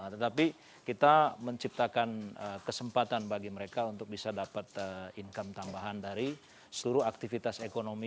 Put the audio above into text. tetapi kita menciptakan kesempatan bagi mereka untuk bisa dapat income tambahan dari seluruh aktivitas ekonomi